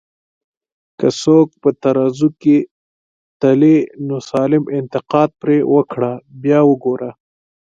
که څوک په ترازو کي تلې، نو سالم انتقاد پرې وکړه بیا وګوره